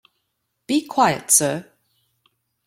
Be quiet, sir!